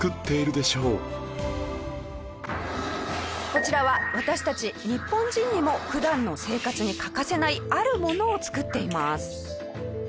こちらは私たち日本人にも普段の生活に欠かせないあるものを作っています。